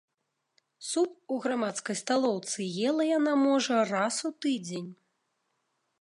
Суп у грамадскай сталоўцы ела яна, можа, раз у тыдзень.